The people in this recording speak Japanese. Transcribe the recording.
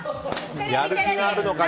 やる気があるのか？